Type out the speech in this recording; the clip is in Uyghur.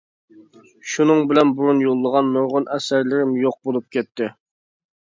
شۇنىڭ بىلەن بۇرۇن يوللىغان نۇرغۇن ئەسەرلىرىم يوق بولۇپ كەتتى.